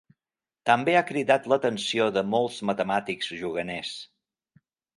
També ha cridat l'atenció de molts matemàtics juganers.